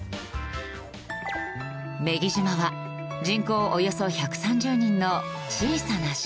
女木島は人口およそ１３０人の小さな島。